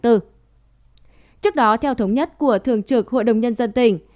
trước đó theo thống nhất của thường trực hội đồng nhân dân tỉnh